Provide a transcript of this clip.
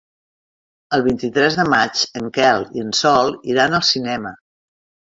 El vint-i-tres de maig en Quel i en Sol iran al cinema.